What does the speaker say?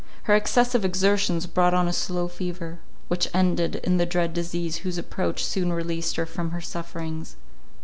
Her excessive exertions brought on a slow fever, which ended in the dread disease whose approach soon released her from her sufferings.